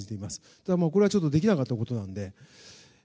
ただ、これはちょっとできなかったことなので。